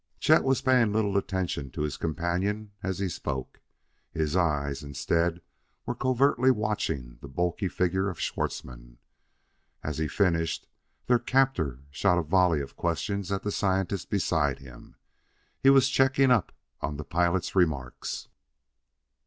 Chet was paying little attention to his companion as he spoke. His eyes, instead, were covertly watching the bulky figure of Schwartzmann. As he finished, their captor shot a volley of questions at the scientist beside him; he was checking up on the pilot's remarks.